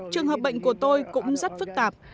trường hợp bệnh của tôi cũng rất phức tạp